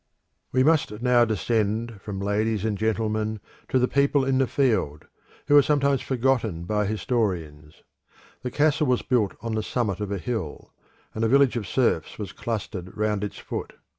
The Castle We must now descend from ladies and gentlemen to the people in the field, who are sometimes forgotten by historians. The castle was built on the summit of a hill, and a village of serfs was clustered round its foot.